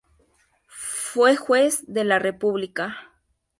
Fue juez de la República.